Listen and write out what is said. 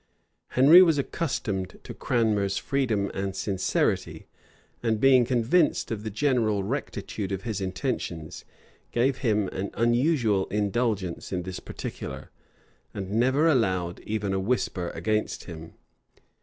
[] Henry was accustomed to Cranmer's freedom and sincerity; and being convinced of the general rectitude of his intentions, gave him an unusual indulgence in this particular, and never allowed even a whisper against him.